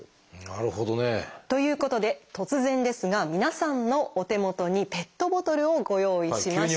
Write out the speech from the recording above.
なるほどね。ということで突然ですが皆さんのお手元にペットボトルをご用意しました。